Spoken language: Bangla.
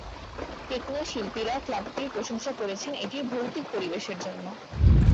টেকনো শিল্পীরা ক্লাবটির প্রশংসা করেছেন এটির ভৌতিক পরিবেশের জন্য।